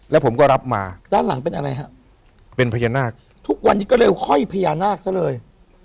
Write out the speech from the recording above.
แล้วผมก็รับมาด้านหลังเป็นอะไรฮะเป็นพญานาคทุกวันนี้ก็เร็วห้อยพญานาคซะเลย